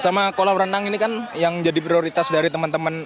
sama kolam renang ini kan yang jadi prioritas dari teman teman